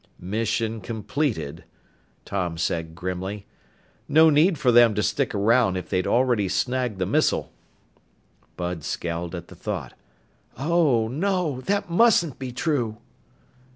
"Mission completed," Tom said grimly. "No need for them to stick around if they'd already snagged the missile." Bud scowled at the thought. "Oh, no! That mustn't be true!"